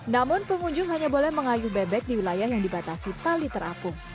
namun pengunjung hanya boleh mengayuh bebek di wilayah yang dibatasi tali terapung